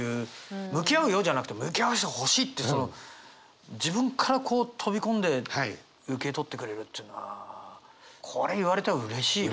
「向き合うよ」じゃなくて「向き合わせてほしい」って自分からこう飛び込んで受け取ってくれるっていうのはこれ言われたらうれしいよね。